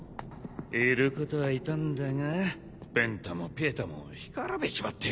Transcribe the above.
いることはいたんだがペンタもピエタも干からびちまって。